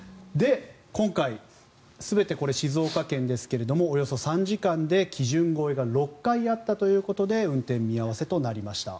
今回、全てこれ静岡県ですがおよそ３時間で基準超えが６回あったということで運転見合わせとなりました。